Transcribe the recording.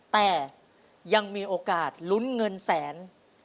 แต่ยังมีโอกาสลุ้นเงินแสน